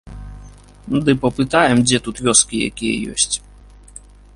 Ды папытаем, дзе тут вёскі якія ёсць.